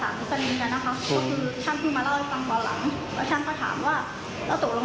แต่เอาคือเขาไม่ได้เก็บเงินจากหนูหรือยังไงไม่หนูไม่อยากได้อะไรหนูแค่อยากได้รถหนูกลับตอนเนี้ย